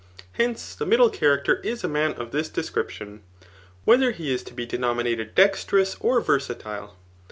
Hence, the middle character is a man df tlib description, whether he is to be denominated dexterous '' or versatile.